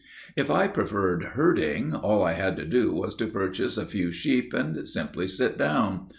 If I preferred herding, all I had to do was to purchase a few sheep and simply sit down.